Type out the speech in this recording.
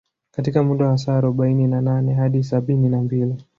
Katika muda wa saa arobaini na nane hadi sabini na mbili